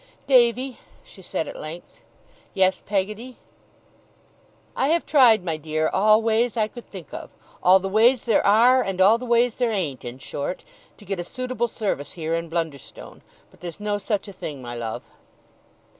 'Davy,' she said at length. 'Yes, Peggotty?' 'I have tried, my dear, all ways I could think of all the ways there are, and all the ways there ain't, in short to get a suitable service here, in Blunderstone; but there's no such a thing, my love.